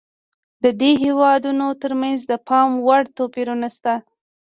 د دې هېوادونو ترمنځ د پاموړ توپیرونه شته.